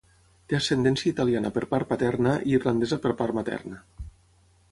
Té ascendència italiana per part paterna i irlandesa per part materna.